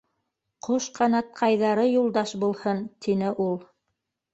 - Ҡош ҡанатҡайҙары юлдаш булһын! - тине ул.